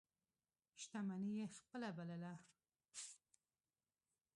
شتمني یې خپله بلله.